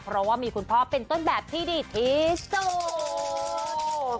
เพราะว่ามีคุณพ่อเป็นต้นแบบที่ดีที่สุด